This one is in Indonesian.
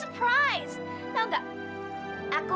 tapi emang aku selebriti sih